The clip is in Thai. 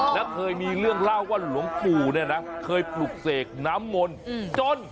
แล้วเคยมีเรื่องเล่าว่าหลวงปู่เนี่ยนะเคยปลุกเสกน้ำมนต์จน